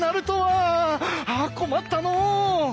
ああ困ったのう！